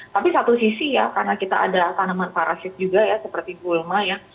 tapi satu sisi ya karena kita ada tanaman parasit juga ya seperti gulma ya